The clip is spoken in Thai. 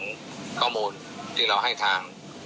เรื่องของข้อมูลที่เราให้ทาง